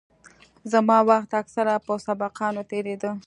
زما وخت اکثره په سبقانو تېرېده.